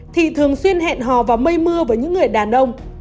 thì thường xuyên hẹn hò vào mây mưa với những người đàn ông